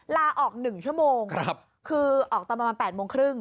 ลาออก๑ชั่วโมงคือออกตอนประมาณ๘โมงครึ่ง